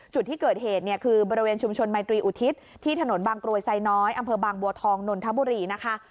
จุดที่เกิดเหตุเนี่ยคือบริเวณชุมชนไมตรีอุทิศที่ถนนบางกรวยไซน้อยอำเภอบางบัวทองนนทบุรีนะคะ